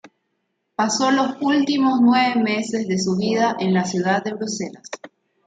Pasó los últimos nueve meses de su vida en la ciudad de Bruselas.